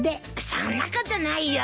そんなことないよ。